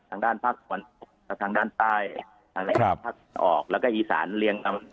ทางด้านภาคสวรรค์ทางด้านใต้ครับออกแล้วก็อีสานเลี้ยง